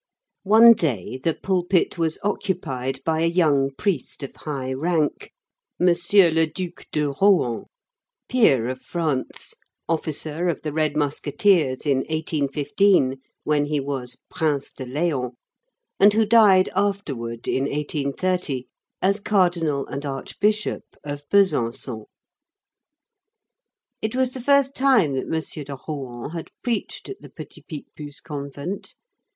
One day the pulpit was occupied by a young priest of high rank, M. Le Duc de Rohan, peer of France, officer of the Red Musketeers in 1815 when he was Prince de Léon, and who died afterward, in 1830, as cardinal and Archbishop of Besançon. It was the first time that M. de Rohan had preached at the Petit Picpus convent.